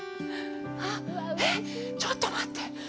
あっ、えっ、ちょっと待って。